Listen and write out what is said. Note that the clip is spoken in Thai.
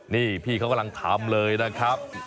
นี่พี่เขากำลังทำเลยนะครับ